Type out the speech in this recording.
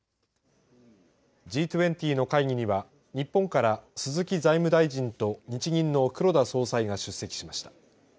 Ｇ２０の会議には日本から鈴木財務大臣と日銀の黒田総裁が出席しました。